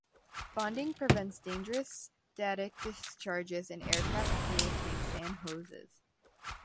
Bonding prevents dangerous static discharges in aircraft fuel tanks and hoses.